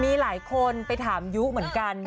มีหลายคนไปถามยุเหมือนกัน